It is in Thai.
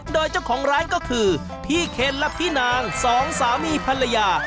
โดยเจ้าของร้านก็คือพี่เคนและพี่นางสองสามีภรรยา